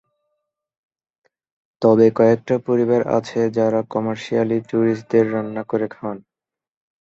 তবে কয়েকটা পরিবার আছে যারা কমার্শিয়ালি ট্যুরিস্টদের রান্না করে খাওয়ান।